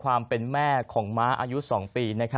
ความเป็นแม่ของม้าอายุ๒ปี